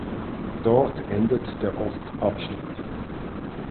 Dort endet der Ostabschnitt.